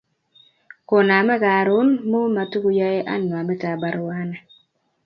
koname karon mu matukuyoe anwamitab baruani